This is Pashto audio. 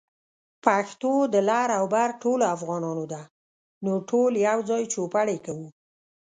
پښتو د لر او بر ټولو افغانانو ده، نو ټول يوځای چوپړ يې کوو